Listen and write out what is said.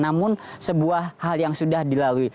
namun sebuah hal yang sudah dilalui